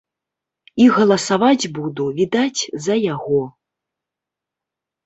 І галасаваць буду, відаць, за яго.